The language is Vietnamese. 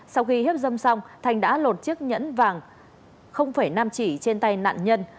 sau khi hiếp dâm xong thành đã lột chiếc nhẫn vàng năm chỉ trên tay nạn nhân